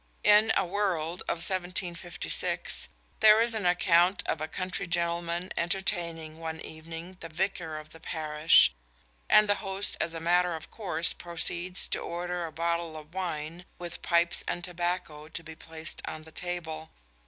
In a World of 1756 there is an account of a country gentleman entertaining one evening the vicar of the parish, and the host as a matter of course proceeds to order a bottle of wine with pipes and tobacco to be placed on the table.